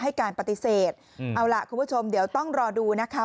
ให้การปฏิเสธเอาล่ะคุณผู้ชมเดี๋ยวต้องรอดูนะคะ